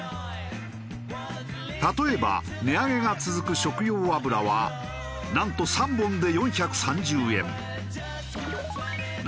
例えば値上げが続く食用油はなんと３本で４３０円。